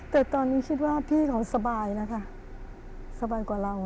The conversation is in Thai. แต่ตอนนี้คิดว่าพี่เขาสบายแล้วค่ะสบายกว่าเรา